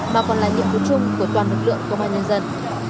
mà còn là nhiệm vụ chung của toàn lực lượng công an nhân dân